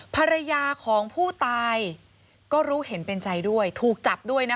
ภรรยาของผู้ตายก็รู้เห็นเป็นใจด้วยถูกจับด้วยนะคะ